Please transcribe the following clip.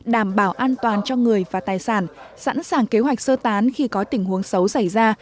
đảm bảo an toàn cho người và tài sản sẵn sàng kế hoạch sơ tán khi có tình huống xấu xảy ra